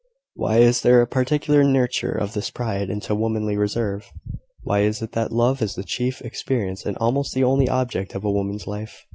why is there a particular nurture of this pride into womanly reserve? Why is it that love is the chief experience, and almost the only object, of a woman's life?